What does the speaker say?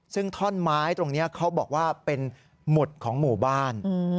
ซึ่งท่อนไม้ตรงนี้เขาบอกว่าเป็นหมุดของหมู่บ้าน